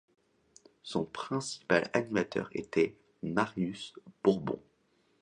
Son principal animateur était Marius Bourbon.